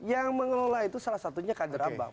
yang mengelola itu salah satunya kader abang